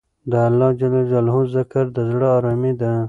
د اللهﷻ ذکر د زړه ارامي ده.